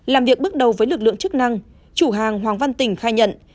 làm việc bước đầu với lực lượng chức năng chủ hàng hoàng văn tỉnh khai nhận